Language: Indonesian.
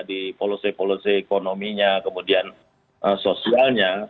di polosi polosi ekonominya kemudian sosialnya